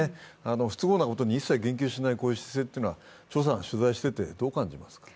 不都合なことに一切言及しない姿勢は取材していてどう感じますか？